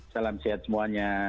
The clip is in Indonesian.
salam sehat semuanya